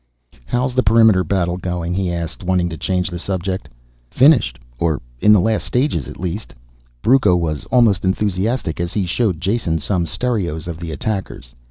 "How is the perimeter battle going?" he asked, wanting to change the subject. "Finished. Or in the last stages at least," Brucco was almost enthusiastic as he showed Jason some stereos of the attackers.